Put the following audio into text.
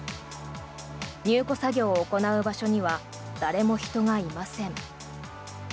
入庫作業を行う場所には誰も人がいません。